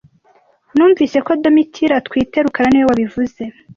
Numvise ko Domitira atwite rukara niwe wabivuze